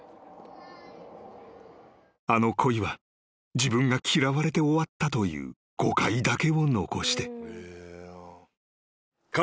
［あの恋は自分が嫌われて終わったという誤解だけを残して］